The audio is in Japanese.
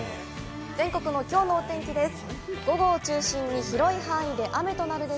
全国のきょうのお天気です。